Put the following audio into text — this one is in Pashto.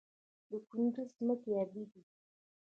د کندز ځمکې ابي دي